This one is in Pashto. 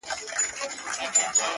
• خيال ويل ه مـا پــرې وپاسه،